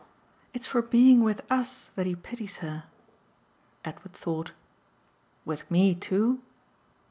"It's for being with US that he pities her." Edward thought. "With me too?"